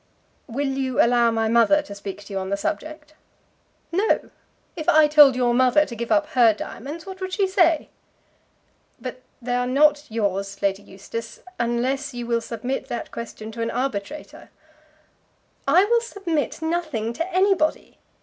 "Will you allow my mother to speak to you on the subject?" "No. If I told your mother to give up her diamonds, what would she say?" "But they are not yours, Lady Eustace, unless you will submit that question to an arbitrator." "I will submit nothing to anybody.